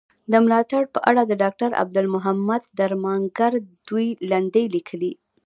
د ملاتړ په اړه د ډاکټر عبدالمحمد درمانګر دوې لنډي ليکني.